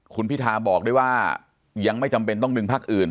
คุณพิทาบอกด้วยว่ายังไม่จำเป็นต้องดึงพักอื่น